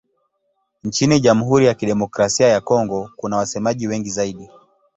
Nchini Jamhuri ya Kidemokrasia ya Kongo kuna wasemaji wengi zaidi.